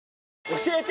教えて！